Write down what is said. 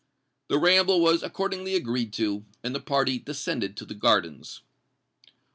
The ramble was accordingly agreed to; and the party descended to the gardens.